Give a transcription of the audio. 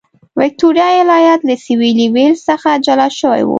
ویکټوریا ایالت له سوېلي ویلز څخه جلا شوی و.